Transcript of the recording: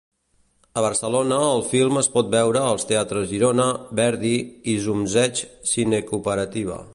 A Barcelona el film es pot veure als teatres Girona, Verdi i Zumzeig Cinecooperativa.